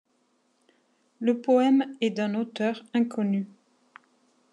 Le poème est d'un auteur inconnu.